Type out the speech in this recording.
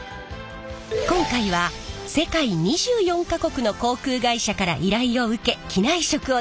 今回は世界２４か国の航空会社から依頼を受け機内食を作る工場。